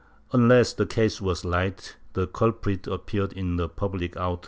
Unless the case w^as light, the culprit appeared in a public auto.